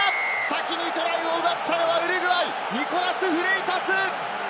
先にトライを奪ったのはウルグアイ、ニコラス・フレイタス！